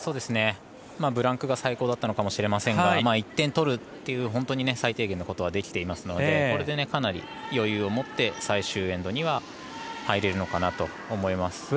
ブランクが最高だったのかもしれませんが１点取るという本当に最低限のことはできていますのでこれでかなり余裕を持って最終エンドに入れると思います。